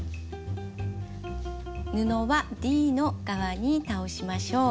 布はｄの側に倒しましょう。